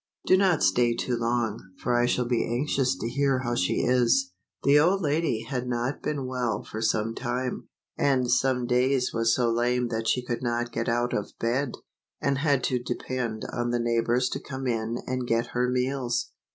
Do not stay too long, for I shall be anxious to hear how she is." The old lady had not been well for some time, and some days was so lame that she could not get out of bed, and had to depend on the neighbors to come in and get her meals.